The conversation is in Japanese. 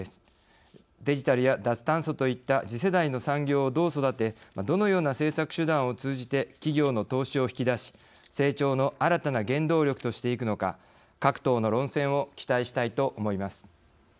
デジタルや脱炭素といった次世代の産業をどう育てどのような政策手段を通じて企業の投資を引き出し成長の新たな原動力としていくのか各党の論戦を期待したいと思います。